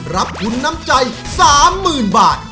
รับทุนน้ำใจ๓๐๐๐บาท